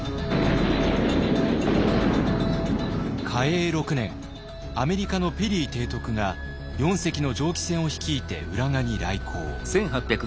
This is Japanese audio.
嘉永６年アメリカのペリー提督が４隻の蒸気船を率いて浦賀に来航。